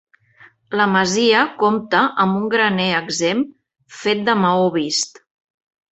La masia compta amb un graner exempt fet de maó vist.